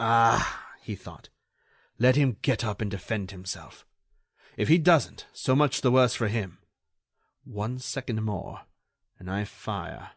"Ah!" he thought, "let him get up and defend himself. If he doesn't, so much the worse for him. One second more ... and I fire...."